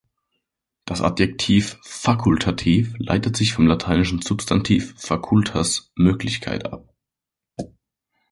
Das Adjektiv "fakultativ" leitet sich vom lateinischen Substantiv "facultas" „Möglichkeit“ ab.